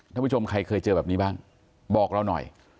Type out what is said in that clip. ท่านผู้ชมใครเคยเจอแบบนี้บ้างบอกเราหน่อย